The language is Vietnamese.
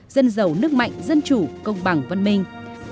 dân giàu nước mạnh dân chủ công bằng văn minh